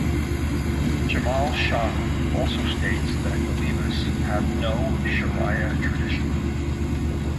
Jamal Shah also states that Alevis have "no Shariah tradition".